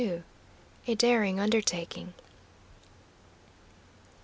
A DARING UNDERTAKING.